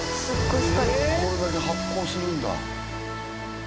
これだけ発光するんだ。